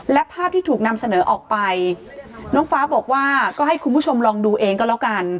และภาพที่ถูกนำเสนอออกไปน้องฟ้าบอกว่าก็ให้คุณผู้ชมลองดูเองก็แล้วกัน